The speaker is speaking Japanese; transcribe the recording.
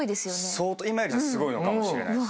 相当今よりすごいのかもしれないですよね。